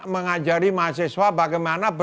mengajari mahasiswa bagaimana